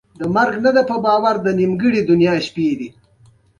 سوداګر په دې توکو هېڅ ډول کار نه دی کړی